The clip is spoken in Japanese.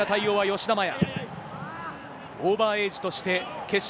吉田麻也